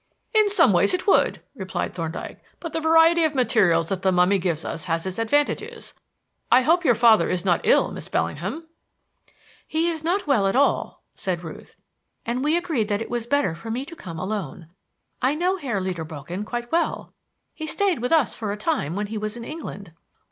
"In some ways it would," replied Thorndyke, "but the variety of materials that the mummy gives us has its advantages. I hope your father is not ill, Miss Bellingham." "He is not at all well," said Ruth, "and we agreed that it was better for me to come alone. I knew Herr Lederbogen quite well. He stayed with us for a time when he was in England."